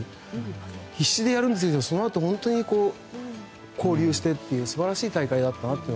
必死でやるんですけどそのあと、本当に交流してという素晴らしい大会でした。